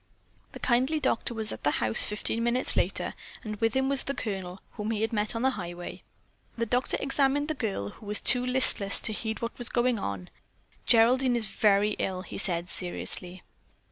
The kindly doctor was at the house fifteen minutes later and with him was the Colonel, whom he had met on the highway. The doctor examined the girl, who was too listless to heed what was going on. "Geraldine is very ill," he said seriously.